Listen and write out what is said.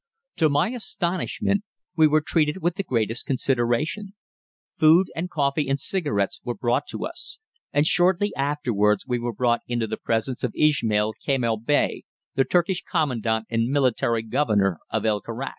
To my astonishment we were treated with the greatest consideration. Food and coffee and cigarettes were brought to us, and shortly afterwards we were brought into the presence of Ismail Kemal Bey, the Turkish commandant and military governor of El Karak.